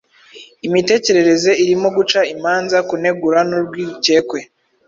Imitekerereze irimo guca imanza, kunegura n’urwikekwe.